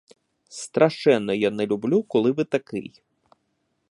Страшенно я не люблю, коли ви такий!